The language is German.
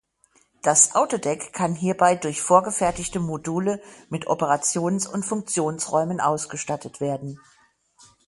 Das Autodeck kann hierbei durch vorgefertigte Module mit Operations- und Funktionsräumen ausgestattet werden.